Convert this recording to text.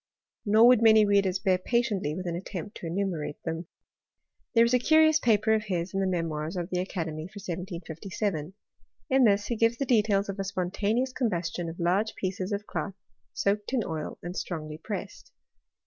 Nor would many readers bear patiently with an* attempt to enumerate them. There is a curious paper of his in the Memoirs of the Academy for 1757. In this he gives the details of a spontaneous combustion of large . pieces of cloth soaked in oil and strongly pressed.